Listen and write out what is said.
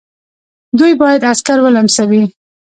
دوی باید عسکر ولمسوي.